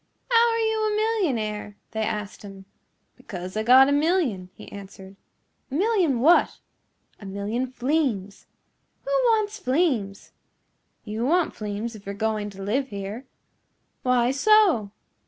"How are you a millionaire?" they asked him. "Because I got a million," he answered. "A million what?" "A million fleems." "Who wants fleems?" "You want fleems if you're going to live here." "Why so?"